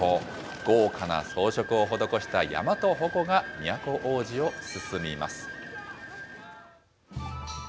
豪華な装飾を施した山と鉾が都大路を進みます。